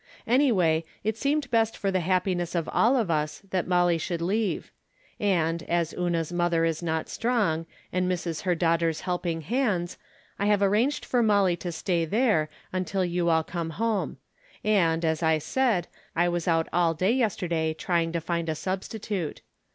Anyway, it seemed best for the happiness of all of us that Molly should leave ; and, as Una's mother is not strong, and misses her daughter's helping hands, I have ar ranged for Molly to stay there until you all come home; and, as I said, I was out all day yester day trying to find a substitute.